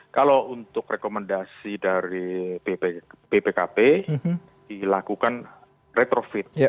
kalau untuk rekomendasi dari bpkp dilakukan retrofit